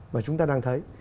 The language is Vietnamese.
mà chúng ta đang thấy